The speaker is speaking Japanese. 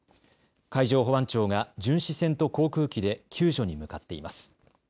海上保安庁が巡視船と航空機で救助に向かっています。